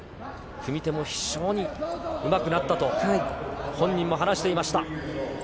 組み手も非常にうまくなったと、本人も話していました。